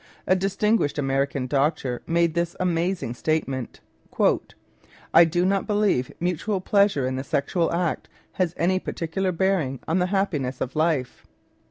A distinguished American doctor made this amazing statement :" I do not believe mutual pleasure in the sexual act has any particular bearing on the happi ness of life."